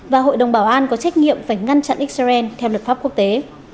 và hội đồng bảo an có trách nhiệm phải ngăn chặn israel theo luật pháp quốc tế